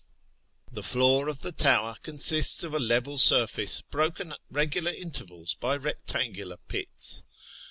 The floor of the tower consists of a level surface broken at regular intervals by rectangular pits.